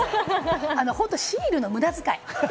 本当にシールの無駄遣い！